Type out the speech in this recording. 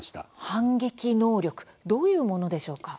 反撃能力どういうものでしょうか。